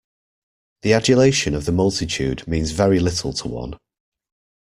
The adulation of the multitude means very little to one.